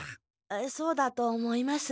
そうだと思います。